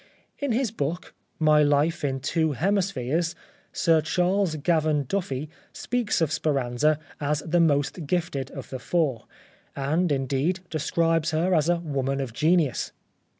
In his book, " My Life in Two Hemispheres," Sir Charles Gavan Duffy speaks of Speranza as the most gifted of the four, and, indeed, describes her as " a woman of genius."